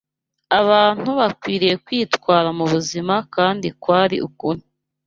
abantu bakwiriye kwitwara mu buzima kandi kwari ukuri